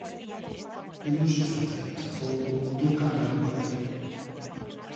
E non se trata, tampouco, dun cambio de modelo.